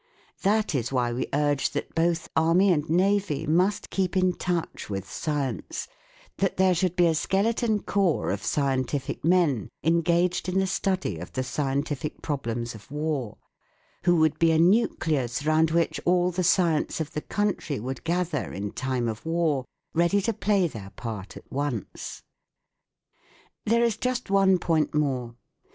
That is why we urge that both Army and Navy must keep in touch with science, that there should be a skeleton corps of scientific men engaged in the study of the scientific problems of war, who would be a nucleus round which all the science of the country would gather in time of war, ready to play their part at once. There is just one point more.